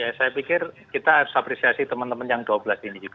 ya saya pikir kita harus apresiasi teman teman yang dua belas ini juga